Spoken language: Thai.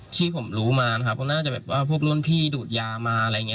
ที่ผมรู้มานะครับก็น่าจะแบบว่าพวกรุ่นพี่ดูดยามาอะไรอย่างนี้